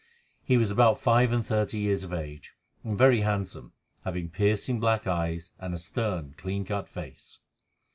He was about five and thirty years of age, and very handsome, having piercing black eyes and a stern, clean cut face.